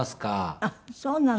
あっそうなの。